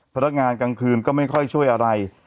พัทรงานกลางคืนก็ไม่ค่อยช่วยอะไร